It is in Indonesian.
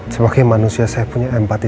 sebagai manusia saya punya empati